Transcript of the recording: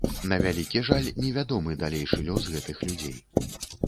На вялікі жаль, невядомы далейшы лёс гэтых людзей.